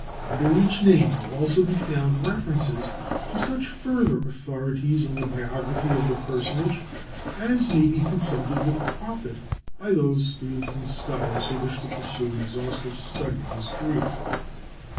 Under each name will also be found references to such further authorities on the biography of the personage as may be consulted with profit by those students and scholars who wish to pursue an exhaustive study of his career.